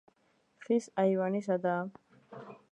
ხის აივანი სადაა.